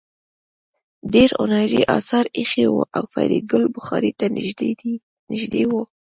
ډېر هنري اثار ایښي وو او فریدګل بخارۍ ته نږدې و